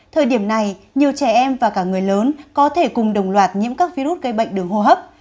thời điểm này nhiều trẻ em và cả người lớn có thể cùng đồng loạt nhiễm các virus gây bệnh đường hô hấp